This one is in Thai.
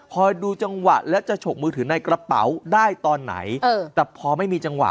ดูจังหวะและจะฉกมือถือในกระเป๋าได้ตอนไหนแต่พอไม่มีจังหวะ